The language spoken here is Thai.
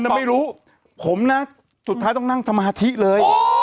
คุณน่ะไม่รู้ผมนะสุดท้ายต้องนั่งธรรมาธิเลย